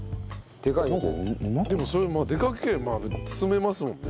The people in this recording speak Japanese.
でかい？でかければ包めますもんね。